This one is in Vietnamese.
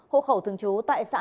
hộ khẩu thường chú tại xã